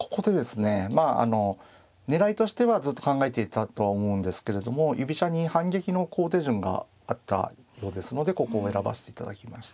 まああの狙いとしてはずっと考えていたとは思うんですけれども居飛車に反撃の好手順があったようですのでここを選ばせていただきました。